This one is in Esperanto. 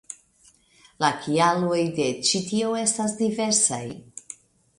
La kialoj de ĉi tio estas diversaj.